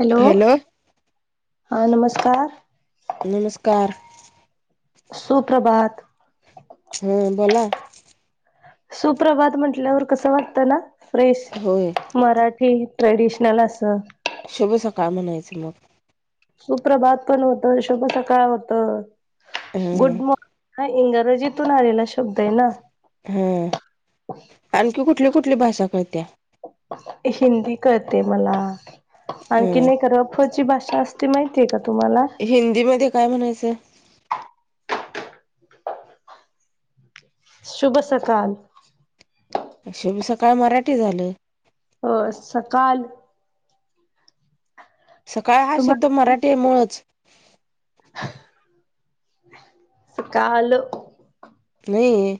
Hello! हा नमस्कार. नमस्कार. सुप्रभात. हं, बोला? सुप्रभात म्हटल्यावर कसं वाटतं ना? फ्रेश होय मराठी, ट्रेडिशनल असं? शुभ सकाळ, म्हणायचं मग. सुप्र बात पण होत शुभ सकाळ होत हं गुड मॉर्ि हा इंग्रजीतून आलेला शब्द आहे ना हा आणखी कुठली कुठली भाषा कळत्या हिंदी कळते मला आणखी हं नाही कर ्ची भाषा असते माहितीय का तुम्हाला हिंदीमध्येध्ये काय म्हणायचं शुभ सकाल शेभी सकाळ मराठी झालं हो सकाल सकाळ हा शब्द तुम्हाला मराठी आहे मुळच सकाल नाही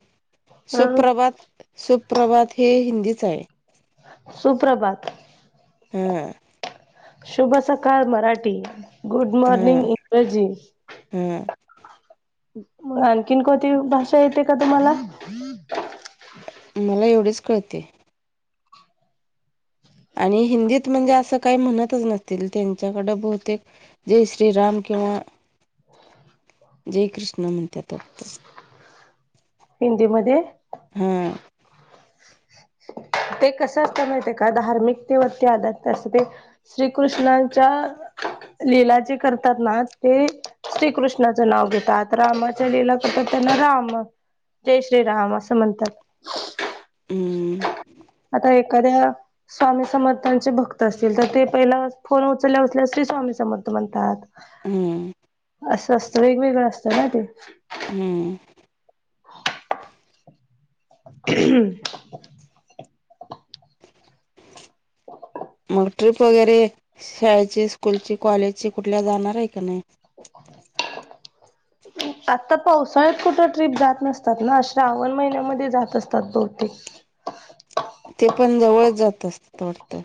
सुप्रभात सुप्रभात हे हिंदीच आहे सुप्रभात हा शुभ सकाळ मराठी गुड मॉर्निंग इंग्रजी हम मग आणखीन कोती भाषा येते का तुम्हाला मला एवढेच कळते आणि हिंदीत म्हणजे असं काही म्हणतच नसतील त्यांच्याकडं बहुतेक जय श्रीराम किंवा जय कृष्ण म्हणतत वाटतच हिंदीमध्येध्ये हा ते कसं असता माह का धार्मिक ते व ते आधातसं ते श्रीकृष्णच्या िला जे करतात ना ते श्रीकृष्णाचं नाव घेतात रामाच्या लिहिला करतात त्यांना राम जय श्री राम असं म्हणतात ह आता एखाद्या स्वामी समर्थांचे भक्त असतील तर ते पहिला फोन उचलले असल्यास स्वामी समर्थ म्हणतात हम्म असं असत वेगवेगळं असतं ना ते हम्म हम्म मग ट्रिप वगैरे शाळेची स्कूलची कॉलेजची कुठल्या जाणार आहे का नाही [inaudible] आता पावसाळ्यात कुठं ट्र्रीप जात नसतात ना श्रावण महिन्यामध्ये जात असतात बहूतेक ते पण जवळच जात असतं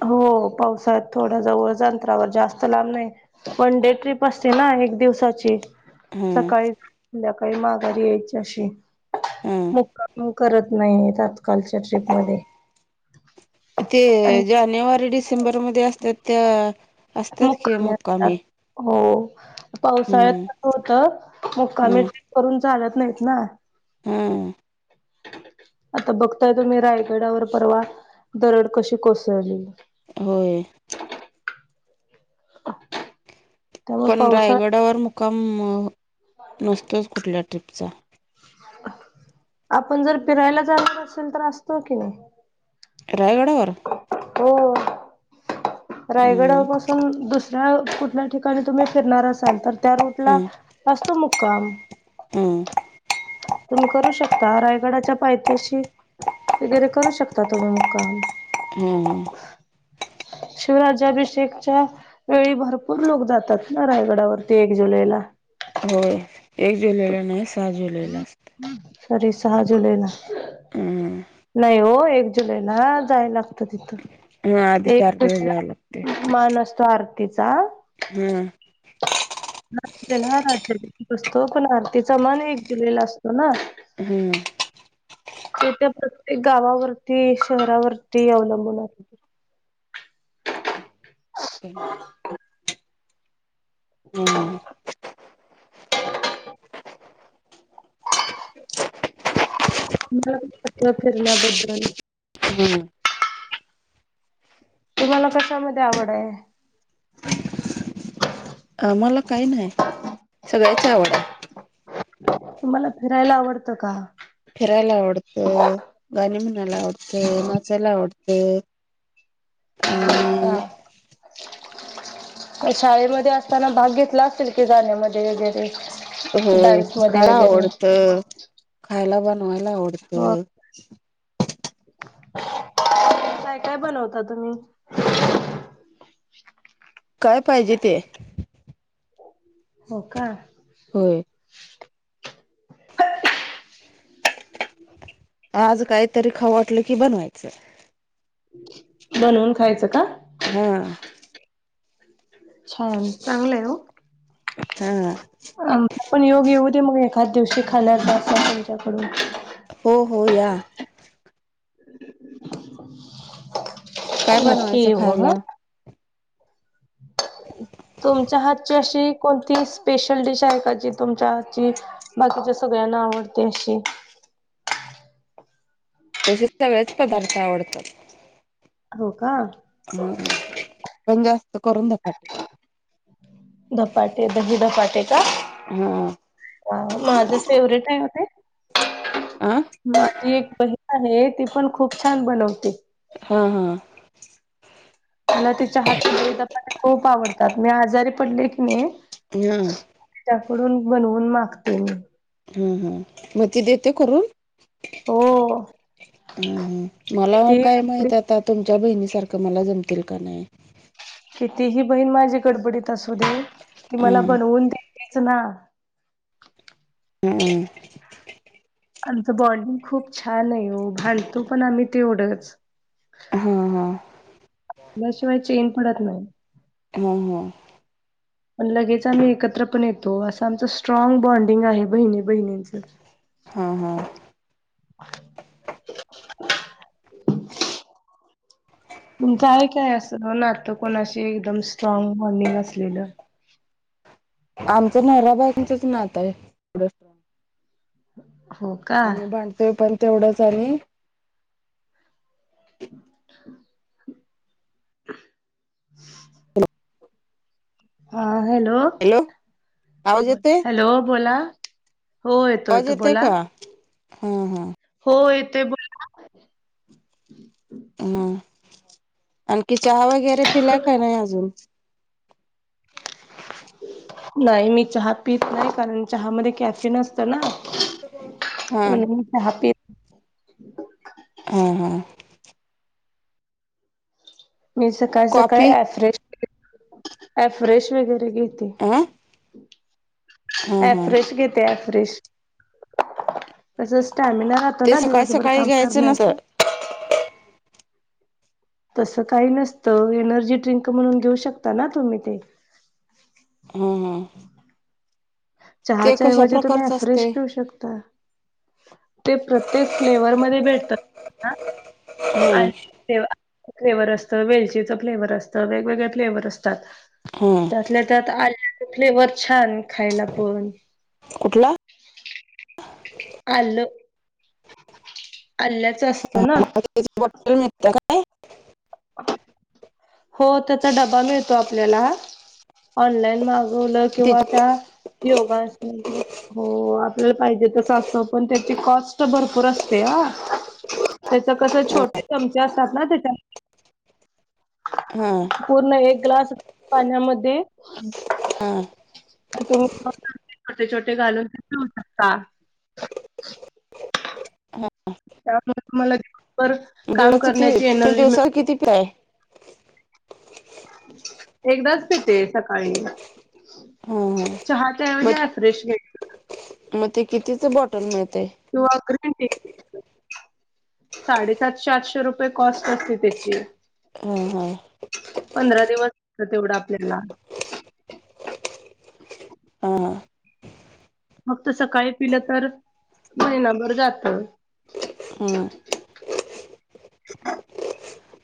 हो पावसात थोड जवळ अंतरावर जास्त लांब नाही वन डे ट्रीप असते ना एक दिवसाची हम्म सकाळी संध्याकाळी माघारी यायची अशी हा करत नाही तातकालच्या ट्रीपमध्ये ते जानेवारी डिसेंबरमध्ये असतात त्या असतात की मुक्कामी असतात हो हम्म पावसाळ्यात होत मुक्कामी करून चालत नाहीत ना हम् आता बघताय तुम्ही रायगडावर परवा दरड कशी कोसळली होय. [inaudible] त्यामुळे पण पावसाळ्यात रायगडावर मुक्काम अ नसतोच कुठल्या ट्रीपचा. आपण जर फिरायला जाणार असेल, तर असतो की. रायगडावर? हो रायगडा हम्म पासून दुसऱ्या कुठल्या ठिका णी तुम्ही फिरणार असाल, तर त्या रूटला हम्म असतो मुक्काम. हम्म. तुम्ही करू शकता रायगडाच्या पायथ्याशी वगैरे करू शकता तुम्ही मुक्काम. हम्म. शिवराज्याभिषेकच्या वेळी भरपूर लोक जातात, ना रायगडावरती एक जुलैला. होय एक जुलैला नाही, सहा जुलैला असतं. साँरी सहा जुलैला. हम्म. नाई ओ एक जुलैला जाय लागतं तिथं. हा आधी एक चार दिवस जाय लागते. जुलैला मान असतो आरतीचा. हम्म. [inaudible] सहा जुलैला राज्याभिषेक असतो, पण आरतीचा मन एक जुलैला असतो ना. हम्म. ते त्या प्रत्येक गावावरती, शहरावरती अवलंबून असतं. [inaudible] हम्म [inaudible] [unintelligible] पत्र फिरल्याबद्दल. हम्म तुम्हाला कशामध्ये आवड आहे? मला काई न्हाय सगळ्याची आवड आय. तुम्हाला फिरायला आवडतं का? फिरायला आवडतं, गाणे म्हणायला आवडतं, नाचायला आवडतं. आणि [inaudible] मी शाळेमध्ये असताना भाग घेतला असेल की गाण्यामध्ये वगैरे? होय डान्स मध्ये खरा वगैरे आवडत खायला बनवायला हो आवडतं. काय काय बनवता तुम्ही? काय पाहिजे ते. हो का. होय. [inaudible] आज काहीतरी खाऊ वाटलं की बनवायचं. बनवून खायचं का? हां. छान चांगलंय ओ हा अम आपण योग येऊ दे मग एखाद्या दिवशी खाण्याचा असा तुमच्या कडून. हो हो या. काय नक्की बनवायचं ये वं हं. खायला [inaudible] तुमच्या हातची अशी कोणती स्पेशल डिश आहे का, जी तुमच्या हातची. बाकीच्या सगळ्यांना आवडते अशी. तसे सगळेच पदार्थ आवडतात. हो का? ह पण जास्त करून धपाटे. धपाटे दही धपाटे का? हा अ माझं फेवरेट आहे म ते. आं! माझी एक बहीण आहे, ती पण खूप छान बनवते. हं हं! मला तिच्या हातचे दही धपाटे, खूप आवडतात मी आजारी पडले की नाही. हं! त्याकडून बनवून मागते मी. हं हं म ती देते करून? हो हं हं मला किती काय माहितात. ता तुमच्या बहिणी सारखं मला जमतील का नाही. कितीही बहीण माझी गडबडीत असू दे, ती मला हा बनवून देतीच ना. अं! आमच बॉडीग खूप छान आहे हो भांडतो पण आम्ही तेवढंच. ह ह! त्याशिवाय चेन पडत नाही. हा हा! पण लगेच आम्ही एकत्र पण येतो, असं आमच स्ट्राँग बॉन्डिंग आहे बहिणी बहिणींचं. हा हा! [inaudible] तुमचं आहे काय असं नात, कोणाशी एकदम स्ट्रॉंग बाँडिंग असलेलं. आमचं नवरा बाईकोचच नात आहे. हो! का आणि भांडतोय पण तेवढंच आणि. [inaudible] [inaudible] हा हॅलो, आवाज येतोय हॅलो बोला. हो येतो आवाज येतो येतोय बोला का हा हा हो येतोय बो हं आणखी चहा वगैरे पिला का नाही अजून. नाही मी चहा पीत नाही कारण चहा मदे कॅफिन अंसत ना हा [unintelligible] मी चहा पीत हा हा! मी सकाळ सकाळी कॉफी आफ्रेश, आफ्रेश वगैरे घेते. हं! आफ्रेश घेते आफ्रेश. तस स्टॅमिना राहतो ते ना सकाळी दिवसभर सकाळी काम घ्यायचं नसतं करण्याचा. तस काही नसतं एनर्जी ड्रिंक म्हणून घेऊ शकता ना तुम्ही ते. हा हा ते कशा चहाच्याऐवजी तुम्ही प्रकारचं फ्रेश असतंय पिऊ शकता ते प्रत्येक फ्लेवर मध्ये भेटतात [unintelligible] आणि फ्लेवर असतं वेलचीच फ्लेवरर असतं वेगवेगळळे फ्लेवर असतात हम त्यातल्यात फ्लेवर छान खायला पण कुठला अलु अल्ल्याच असतं ना त्याची बटल मिटते काय हो त्याचा डबा मिळतो आपल्याला ऑनलाईन बलं किंवा त्याची त्या योगास हो आपल्याला पाहिजे तसं असतं पण त्याची कॉस्ट भरपूर असते ह त्याच कसं छोटे चमचे असतात ना त्याच्या हा पूर्ण एक ग्लास पाण्यामध्ये हा तुम्ही छोटे छोटे घालून ठेऊ शकता त्यामुळे मला दिवभर मग काम दिवसाचं ती करण्याची तुम्ही एनर्जी दिवसाला किती मिळते पिताय हा एकदाच भेटे सकाळी हा चहा त्या म्हजा मग फ्रेश घ मग ते कितीच बॉटल मिळते तो अक साडेसातशे आठशे रुपये कॉस्ट असते त्याची हा हा पंधरा दिवसत तेवढं आपल्याला हां हां फक्त सकाळी पिलं तर महिनाभर जात ह हम्म.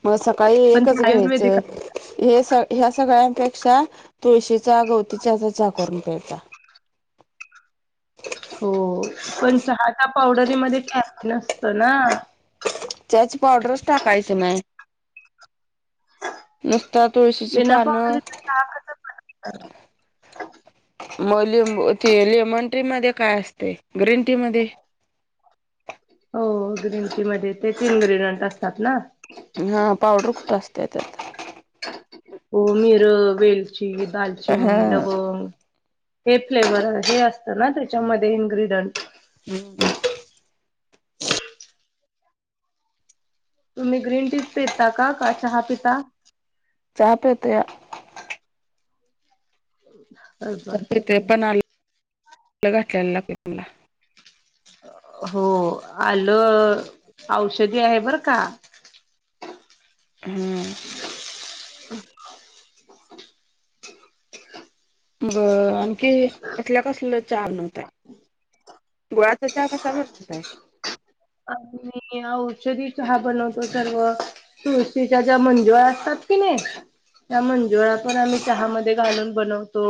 मग सकाळी एकच घ्यायचं आहे हे स ह्या सगळ्यांपेक्षा तुळशीचा गवतीच्या चा करून पळता हो पण चहाट पावडरीमध्ये फॅ नसत ना चच पावडरच टाकायचं नाही नुसता तुळशीची विनाप का पानं मली लेमन ट्री मध्ये काय असते ग्रीन टी मध्ये हो ग्रीन टी मध्ये ते तीन ग्र्रीडियंट असतात ना हा पावडर कुठं असते त्यात हो मिर वेलची हा दालचिनी लवंग हे फ्लेवरर हे असतं ना त्याच्यामध्ये इन्ग्र्रीडियंट हम्म तुम्ही ग्रीन टीज पेता का का चहा पिता चहाप य त्या हो ते पण आ घठल्याला लागते तुम्हाला हो आलं औषधी आहे बरं का हम्म ब आणखी कसल्या कसल चार नवतय गुळाचा चहा कसा बनवताय म औषधी चहा बनवतो सर्व तुळशीच्या ज्या मंजुळ असतात कि नाही त्या मंजुळा पण आम्ही चहामध्ये घालून बनवतो